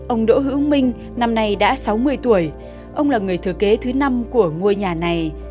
ông đỗ hữu minh năm nay đã sáu mươi tuổi ông là người thừa kế thứ năm của ngôi nhà này